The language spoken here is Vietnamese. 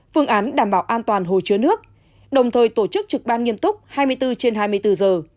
phương án đảm bảo an toàn hồ chứa nước đồng thời tổ chức trực ban nghiêm túc hai mươi bốn trên hai mươi bốn giờ